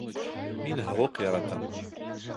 Мин һыуыҡ яратам